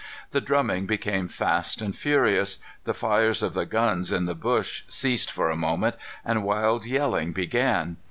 The drumming became fast and furious. The fires of the guns in the bush ceased for a moment, and wild yelling began.